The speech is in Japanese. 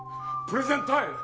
プレゼントタイム！